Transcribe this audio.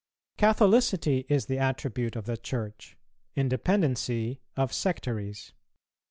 Catholicity is the attribute of the Church, independency of sectaries.